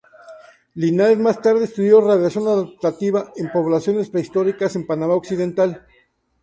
Linares más tarde estudió 'radiación adaptativa' en poblaciones prehistóricas en Panamá Occidental.